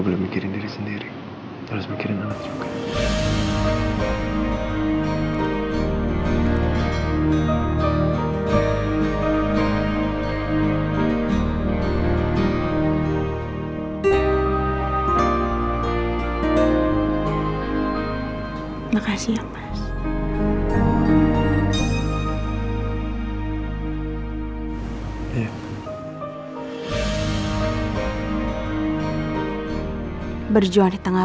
berjuang di tengah